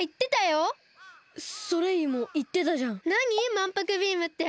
「まんぷくビーム」って。